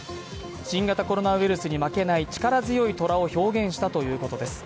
新型コロナウイルスに負けない力強いとらを表現したということです。